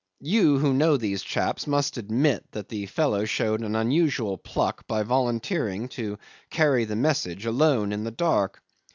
You who know these chaps must admit that the fellow showed an unusual pluck by volunteering to carry the message, alone, in the dark.